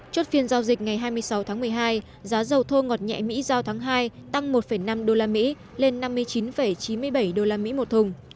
chốt phiên giao dịch ngày hai mươi sáu tháng một mươi hai giá dầu thô ngọt nhẹ mỹ giao tháng hai tăng một năm usd lên năm mươi chín chín mươi bảy usd một thùng